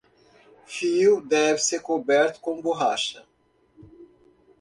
Fio deve ser coberto com borracha.